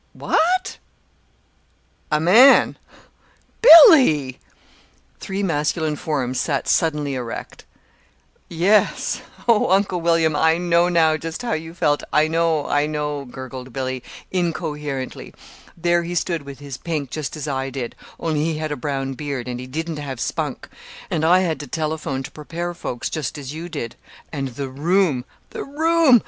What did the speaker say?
"Wha at?" "A man!" "Billy!" Three masculine forms sat suddenly erect. "Yes. Oh, Uncle William, I know now just how you felt I know, I know," gurgled Billy, incoherently. "There he stood with his pink just as I did only he had a brown beard, and he didn't have Spunk and I had to telephone to prepare folks, just as you did. And the room the room!